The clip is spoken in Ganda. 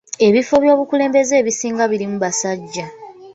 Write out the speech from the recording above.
Ebifo by'obukulembeze ebisinga birimu basajja.